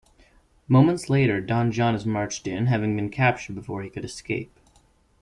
Moments later, Don John is marched in, having been captured before he could escape.